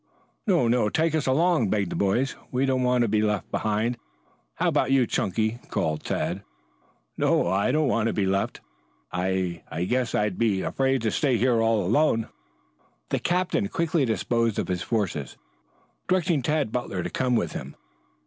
"No, no! Take us along," begged the boys. "We don't want to be left behind. How about you, Chunky?" called Tad. "No, I don't want to be left. I I guess I'd be afraid to stay here all alone." The captain quickly disposed of his forces, directing Tad Butler to come with him.